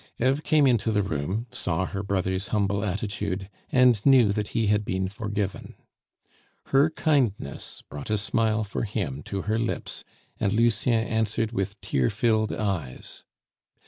Eve came into the room, saw her brother's humble attitude, and knew that he had been forgiven. Her kindness brought a smile for him to her lips, and Lucien answered with tear filled eyes.